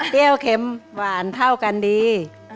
เตี้ยวเข้มหวานเท่ากันดี